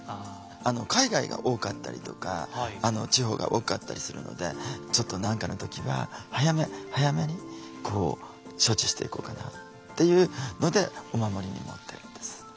海外が多かったりとか地方が多かったりするのでちょっと何かの時は早め早めに処置していこうかなっていうのでお守りに持ってるんです。